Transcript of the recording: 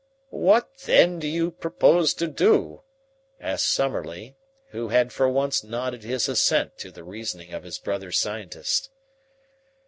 "What, then, do you propose to do?" asked Summerlee, who had for once nodded his assent to the reasoning of his brother scientist.